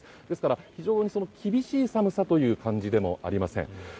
ですから、非常に厳しい寒さという感じでもありません。